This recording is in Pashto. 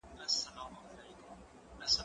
ايا ته سبا ته فکر کوې،